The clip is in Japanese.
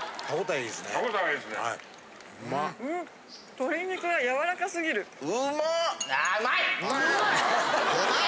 ・鶏肉が軟らかすぎる・あうまい！